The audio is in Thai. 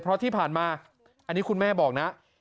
เพราะที่ผ่านมาอันนี้คุณแม่บอกนะ